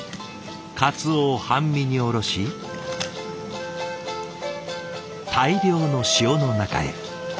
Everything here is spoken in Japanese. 鰹を半身におろし大量の塩の中へ。